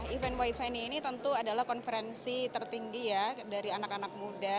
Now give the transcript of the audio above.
event white fanny ini tentu adalah konferensi tertinggi dari anak anak muda